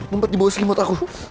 mumpet dibawah sini motok